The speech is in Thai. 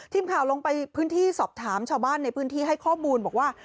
ทีมข่าวลงไปพื้นที่สอบถามชาวบ้านในพื้นที่ให้ข้อมูลบอกว่า